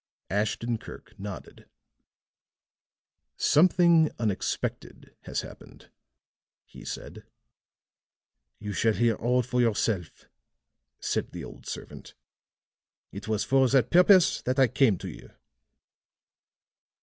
Ashton Kirk nodded. "Something unexpected has happened," he said. "You shall hear all for yourself," said the old servant. "It was for that purpose that I came to you."